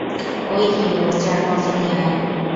ওই হিরো, যা কফি নিয়া আয়।